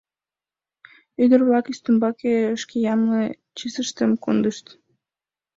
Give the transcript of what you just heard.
Ӱдыр-влак ӱстембаке шке ямле чесыштым кондышт.